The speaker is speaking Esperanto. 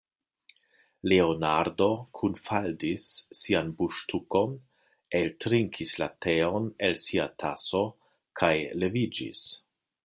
Leonardo kunfaldis sian buŝtukon, eltrinkis la teon el sia taso, kaj leviĝis.